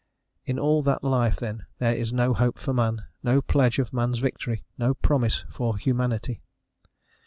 In all that life, then, there is no hope for man, no pledge of man's victory, no promise for humanity.